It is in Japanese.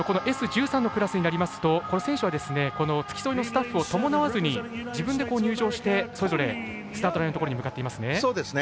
Ｓ１３のクラスになりますと選手は付き添いのスタッフを伴わずに自分で入場してそれぞれスタート台のところに向かっていますね。